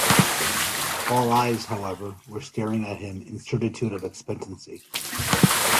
All eyes, however, were staring at him in certitude of expectancy.